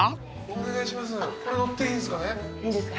お願いします。